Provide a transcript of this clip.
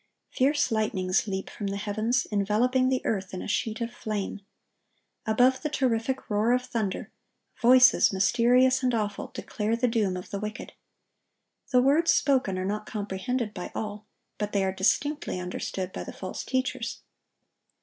Fierce lightnings leap from the heavens, enveloping the earth in a sheet of flame. Above the terrific roar of thunder, voices, mysterious and awful, declare the doom of the wicked. The words spoken are not comprehended by all; but they are distinctly understood by the false teachers.